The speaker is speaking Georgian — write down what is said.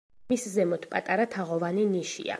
მის ზემოთ პატარა თაღოვანი ნიშია.